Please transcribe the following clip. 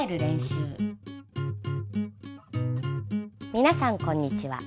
皆さんこんにちは。